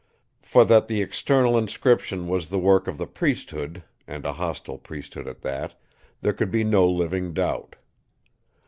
"For that the external inscription was the work of the priesthood—and a hostile priesthood at that—there could be no living doubt.